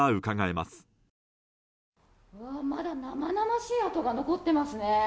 まだ生々しい跡が残っていますね。